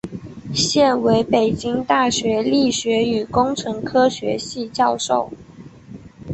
现为北京大学力学与工程科学系教授。